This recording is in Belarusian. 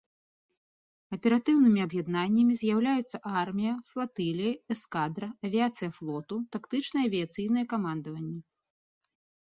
Аператыўнымі аб'яднаннямі з'яўляюцца армія, флатылія, эскадра, авіяцыя флоту, тактычнае авіяцыйнае камандаванне.